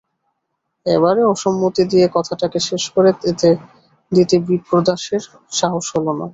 এবারে অসম্মতি দিয়ে কথাটাকে শেষ করে দিতে বিপ্রদাসের সাহস হল না।